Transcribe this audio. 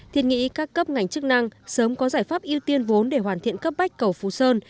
thiên nghĩ các cấp ngành chức năng sớm có giải pháp ưu tiên vốn để hoàn thiện cấp bách cầu phú sơn